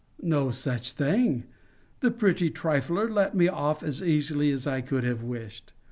No such thing! The pretty trifler let me off as easily as I could have wished.